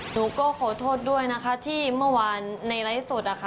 หนูก็ขอโทษด้วยนะคะที่เมื่อวานในไลฟ์สดนะคะ